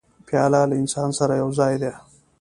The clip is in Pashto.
پیاله له انسان سره یو ځای ده.